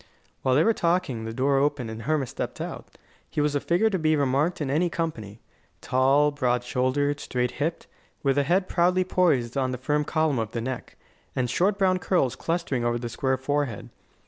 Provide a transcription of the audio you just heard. While they were talking the door opened and Hermas stepped out. He was a figure to be remarked in any company tall, broad shouldered, straight hipped, with a head proudly poised on the firm column of the neck, and short brown curls clustering over the square forehead.